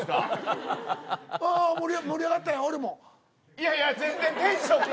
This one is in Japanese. いやいや全然テンションが。